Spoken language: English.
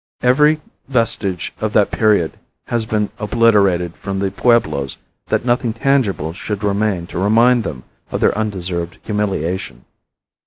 Every vestige of that period has been obliterated from the pueblos that nothing tangible should remain to remind them of their undeserved humiliation.